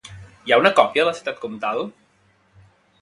Hi ha una còpia a la ciutat comtal?